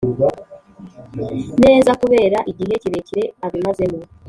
neza kubera igihe kirekire abimazemo